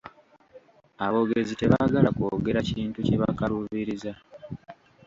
Aboogezi tebaagala kwogera kintu kibakaluubiriza.